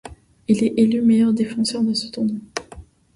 Il est élu meilleur défenseur de ce tournoi.